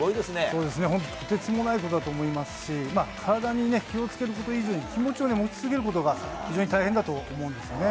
そうですね、本当にとてつもないことだと思いますし、体に気をつけること以上に、気持ちを持ち続けることが、非常に大変だと思うんですね。